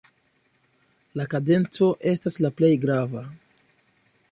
La kadenco estas la plej grava.